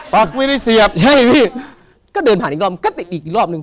ปากไม่ได้เสียบใช่ไหมพี่ก็เดินผ่านอีกรอบก็ติดอีกอีกรอบหนึ่ง